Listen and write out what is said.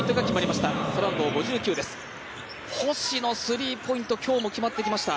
星のスリーポイント、今日も決まってきました。